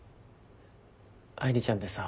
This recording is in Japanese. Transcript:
愛梨ちゃんってさ